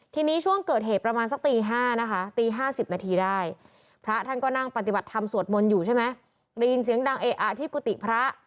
ทีนี้ช่วงเกิดเหตุประมาณสักตี๕นะคะตี๕๐นาทีได้พระท่านก็นั่งปฏิบัติธรรมสวดมนต์อยู่ใช่ไหมได้ยินเสียงดังเออะที่กุฏิพระ